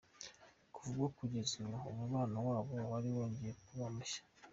Kuva ubwo kugeza ubu umubano wabo wari wongeye kuba mushya.